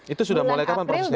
itu sudah mulai kapan prosesnya